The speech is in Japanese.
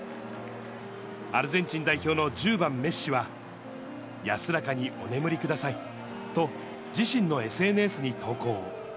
アルゼンチン代表の１０番メッシは、安らかにお眠りくださいと、自身のＳＮＳに投稿。